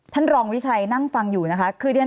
ท่านรองวิชัยนั่งฟังอยู่นะคะ